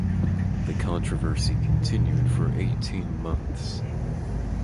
The controversy continued for eighteen months.